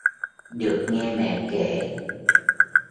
Được nghe mẹ kể